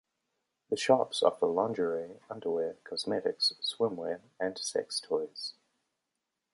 The shops offer lingerie, underwear, cosmetics, swimwear and sex toys.